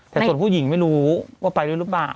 แต่ส่วนผู้หญิงไม่รู้ว่าไปด้วยหรือเปล่า